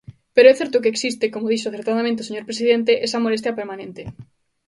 Pero é certo que existe, como dixo acertadamente o señor presidente, esa molestia permanente.